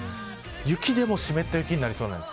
雪でも湿った雪になりそうです。